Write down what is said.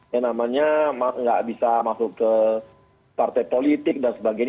yang namanya nggak bisa masuk ke partai politik dan sebagainya